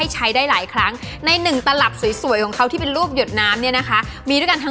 ใช้ได้นานถึง๖๐วันทีเดียวนะคะ